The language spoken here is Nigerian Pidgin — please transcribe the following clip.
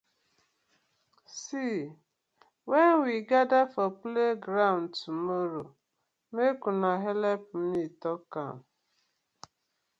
See wen we gather for playground tomorrow mek una helep me tok am.